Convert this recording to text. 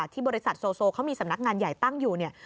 ที่บริษัทโซเขามีสำนักงานใหญ่ตั้งอยู่เนี่ย